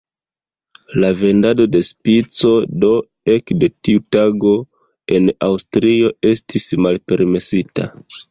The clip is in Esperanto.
La vendado de "Spico" do ekde tiu tago en Aŭstrio estis malpermesita.